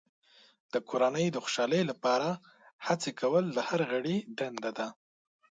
د کورنۍ د خوشحالۍ لپاره هڅې کول د هر غړي دنده ده.